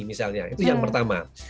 misalnya itu yang pertama